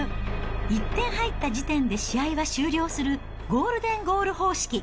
１点入った時点で試合が終了するゴールデンゴール方式。